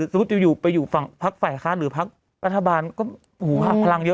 สมมุติจะอยู่ไปอยู่ฝั่งภักดิ์ฝ่ายคาดหรือภักดิ์ประธบาลก็หูหลักพลังเยอะนะ